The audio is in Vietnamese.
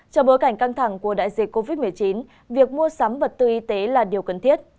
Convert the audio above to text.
trong bối cảnh căng thẳng của đại dịch covid một mươi chín việc mua sắm vật tư y tế là điều cần thiết